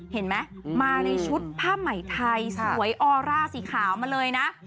เห็นไหมมาในชุดผ้าใหม่ไทยสวยออร่าสีขาวมาเลยนะ